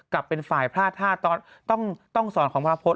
กลับเป็นฝ่ายพลาดธาตุต้องสอนของพระพศ